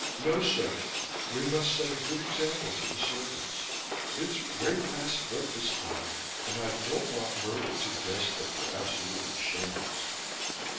"No, sir. We must set a good example to the servants. It's way past breakfast time and I don't want Myrtle to guess that we're absolutely shameless."